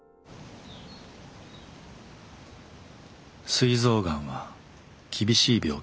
すい臓がんは厳しい病気です。